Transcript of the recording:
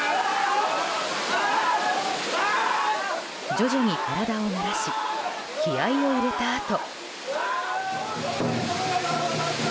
徐々に体を慣らし気合を入れたあと。